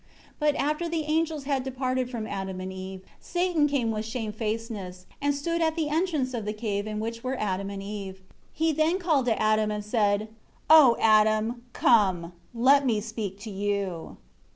12 But after the angels had departed from Adam and Eve, Satan came with shamefacedness, and stood at the entrance of the cave in which were Adam and Eve. He then called to Adam, and said, "O Adam, come, let me speak to you."